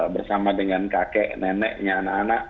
bersama dengan kakek neneknya anak anak